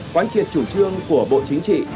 quán triệt chủ trương của bộ chính trị